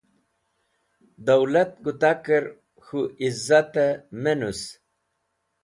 Dulat gũtakẽr k̃hũ izatẽ me nũs.